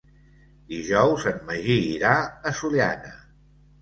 Dijous en Magí irà a Sollana.